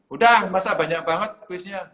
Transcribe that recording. udah masa banyak banget kuisnya